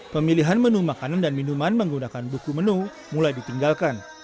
pemilihan menu makanan dan minuman menggunakan buku menu mulai ditinggalkan